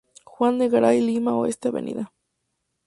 Juan de Garay, Lima Oeste, Av.